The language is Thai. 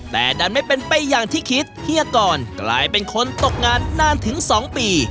แต่ดันไม่เป็นไปอย่างที่คิดเฮียกรกลายเป็นคนตกงานนานถึง๒ปี